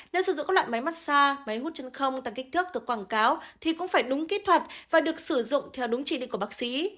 nếu sử dụng các loại máy mắt xa máy hút chân không tăng kích thước từ quảng cáo thì cũng phải đúng kỹ thuật và được sử dụng theo đúng chỉ định của bác sĩ